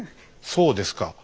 そうですか。